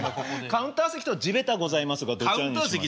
カウンター席と地べたございますがどちらに。